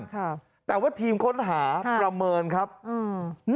ค่ะแต่ว่าทีมค้นหาประเมินครับอืม